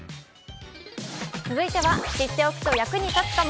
続いては知っておくと役に立つかも。